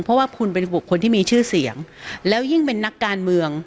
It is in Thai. เพราะว่าคุณเป็นบุคคลที่มีชื่อเสียงแล้วยิ่งเป็นนักการเมือง